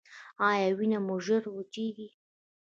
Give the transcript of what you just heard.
ایا وینه مو ژر وچیږي؟